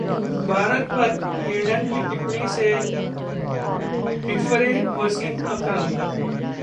भारत पर हेडन की टिप्पणी से बिफरे वसीम अकरम